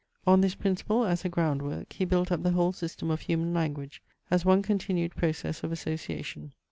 On this principle, as a ground work, he built up the whole system of human language, as one continued process of association.